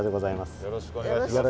よろしくお願いします。